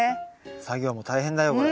作業も大変だよこれ。